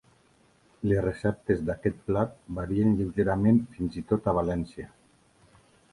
Les receptes d'aquest plat varien lleugerament, fins i tot a València.